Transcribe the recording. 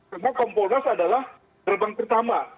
karena kompolnas adalah gerbang pertama